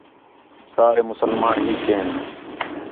سارے مُسلمان ہِک ہین